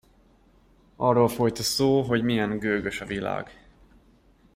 Arról folyt a szó, hogy milyen gőgös a világ.